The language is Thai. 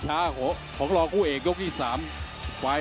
ตามต่อยกที่๓ครับ